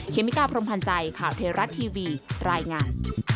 เมกาพรมพันธ์ใจข่าวเทราะทีวีรายงาน